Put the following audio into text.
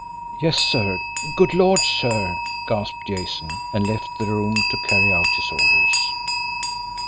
"Yes, sir good Lord, sir!" gasped Jason and left the room to carry out his orders.